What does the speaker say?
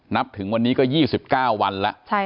ถึงวันนี้ก็๒๙วันแล้ว